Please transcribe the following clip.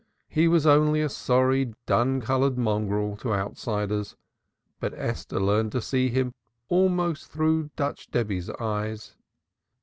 He was only a sorry dun colored mongrel to outsiders, but Esther learned to see him almost through Dutch Debby's eyes.